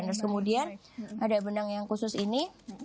terus kemudian ada benang yang khusus ini